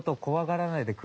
怖がらない。